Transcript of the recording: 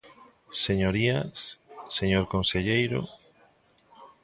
Señorías, señor conselleiro.